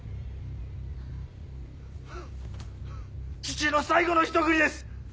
父の最後のひと振りです！